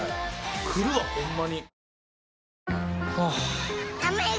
くるわホンマに。